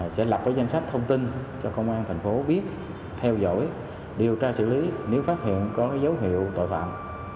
sẽ lập cái danh sách thông tin cho công an thành phố biết theo dõi điều tra xử lý nếu phát hiện có dấu hiệu tội phạm